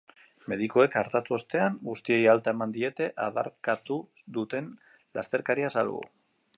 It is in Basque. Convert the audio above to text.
Medikuek artatu ostean, guztiei alta eman diete, adarkatu duten lasterkaria salbu.